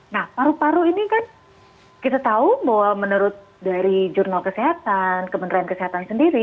nah paru paru ini kan kita tahu bahwa menurut dari jurnal kesehatan kementerian kesehatan sendiri